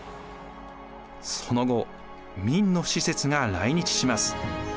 その後明の使節が来日します。